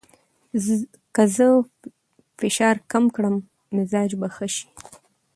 که زه فشار کم کړم، مزاج به ښه شي.